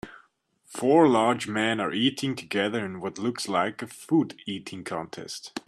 Four large men are eating together in what looks like a foodeating contest.